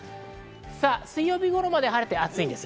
水曜日頃まで晴れて暑いです。